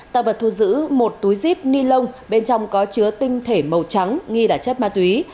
tạo vật thu giữ một túi zip ni lông bên trong có chứa tinh thể màu trắng nghi là chất ma túy